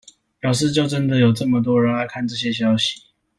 表示就真的有這麼多人愛看這些消息